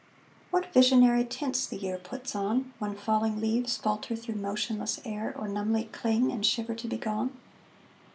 What visionary tints the year puts on, When falling leaves falter through motionless air Or numbly cling and shiver to be gone!